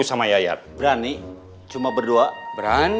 saya mau melaporkan rakam awareness